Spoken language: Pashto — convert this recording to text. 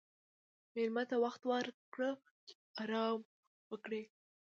مېلمه ته وخت ورکړه چې آرام وکړي.